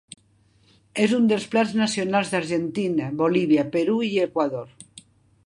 És un dels plats nacionals d'Argentina, Bolívia, Perú i Equador.